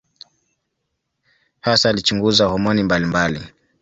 Hasa alichunguza homoni mbalimbali.